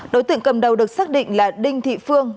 đối tượng cầm đầu được xác định là đinh thị phương